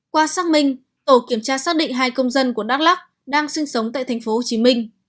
qua xác minh tổ kiểm tra xác định hai công dân của đắk lắc đang sinh sống tại thành phố hồ chí minh